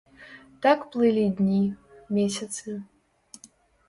Так плылі дні, месяцы.